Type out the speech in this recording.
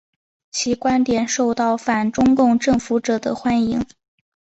其观点受到反中共政府者的欢迎。